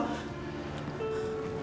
bagaimana kamu bisa keluar dari sini wi